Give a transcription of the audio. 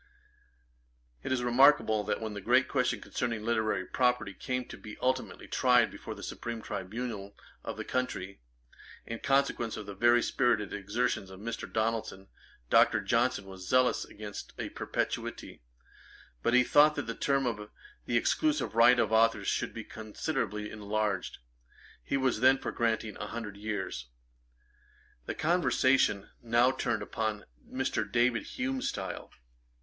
[Page 439: Humes style. Ætat 54.] It is remarkable, that when the great question concerning Literary Property came to be ultimately tried before the supreme tribunal of this country, in consequence of the very spirited exertions of Mr. Donaldson, Dr. Johnson was zealous against a perpetuity; but he thought that the term of the exclusive right of authours should be considerably enlarged. He was then for granting a hundred years. The conversation now turned upon Mr. David Hume's style.